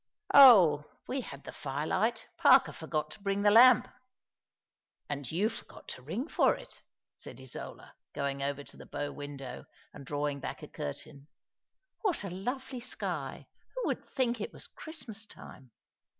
"Oh, we had the firelight — Parker forgot to bring the lamp." *' And you forgot to ring for it," said Isola, going over to the bow window, and drawing back a curtain. "What a lovely sky ! Who would think it was Christmas time